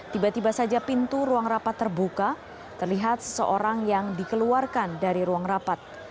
tiba tiba saja pintu ruang rapat terbuka terlihat seseorang yang dikeluarkan dari ruang rapat